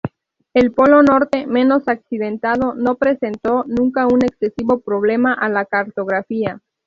El Polo Norte, menos accidentado, no presentó nunca un excesivo problema a la cartografía.